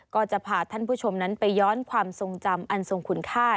ก็จะพาท่านผู้ชมนั้นไปย้อนความทรงจำอันทรงคุณค่า